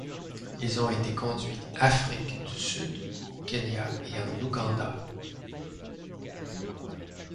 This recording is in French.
Ils ont été conduits Afrique du Sud, au Kenya et en Ouganda.